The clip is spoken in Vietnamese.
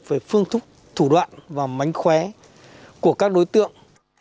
về phương thức thủ đoạn và mánh khóe của các đối tượng